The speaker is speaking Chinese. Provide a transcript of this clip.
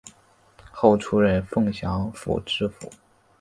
后出任凤翔府知府。